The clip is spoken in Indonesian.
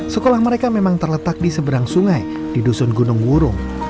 sekolah mereka memang terletak di seberang sungai di dusun gunung wurung